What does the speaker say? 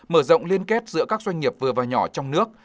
mở rộng liên kết giữa các doanh nghiệp vừa và nhỏ trong nước